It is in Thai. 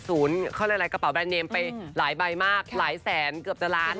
สูญกระเป๋าแบรนด์เนมไปหลายใบมากหลายแสนเกือบจะล้านนะคะ